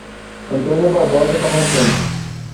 Antônia Barbosa Cavalcante